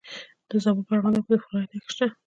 د زابل په ارغنداب کې د فلورایټ نښې شته.